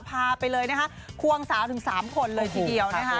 พาไปเลยนะคะควงสาวถึง๓คนเลยทีเดียวนะคะ